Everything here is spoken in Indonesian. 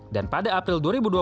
dan pada april dua ribu dua puluh